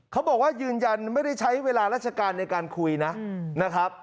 เขาบอกว่ายืนยันไม่ได้ใช้เวลาราชการในการคุยนะครับ